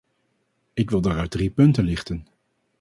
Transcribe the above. Ik wil daaruit drie punten lichten.